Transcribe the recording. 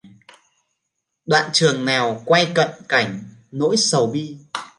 Đoạn trường nào quay cận cảnh nỗi sầu bi